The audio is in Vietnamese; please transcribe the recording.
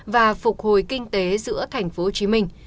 và phục hồi kinh tế giữa tp hcm